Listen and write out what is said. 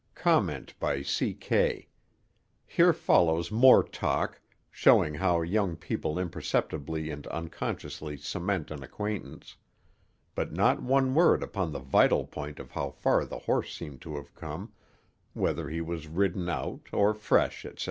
(Comment by C. K.: _Here follows more talk, showing how young people imperceptibly and unconsciously cement an acquaintance; but not one word upon the vital point of how far the horse seemed to have come, whether he was ridden out, or fresh, etc.